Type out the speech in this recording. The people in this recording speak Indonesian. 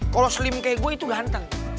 kalo slim kayak gua itu ganteng